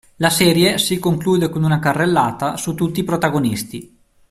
La serie si conclude con una carrellata su tutti i protagonisti.